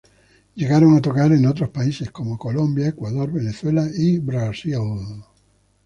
Llegaron a tocar en otros países, como Colombia, Ecuador, Venezuela y Brasil.